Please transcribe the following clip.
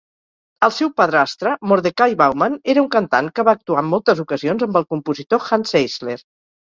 El seu padrastre Mordecai Bauman era un cantant que va actuar en moltes ocasions amb el compositor Hanns Eisler.